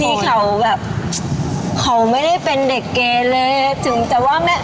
ที่เขาแบบเขาไม่ได้เป็นเด็กเก๋เลย